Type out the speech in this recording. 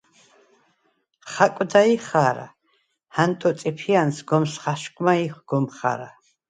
“ხა̈კვდა̄-ჲ ხა̄რა! ჰანტო წიფია̄ნს გომს ხაშგვმა ი გომ ხა̄რა!”